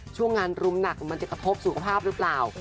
ช่วงงานรุมหนักมันจะกระทบสุขภาพหรือเปล่า